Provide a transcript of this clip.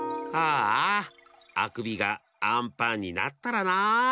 ああくびがあんパンになったらなあ。